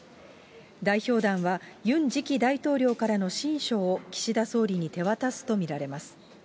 代表団はユン次期大統領からの親書を岸田総理に手渡すと見られます。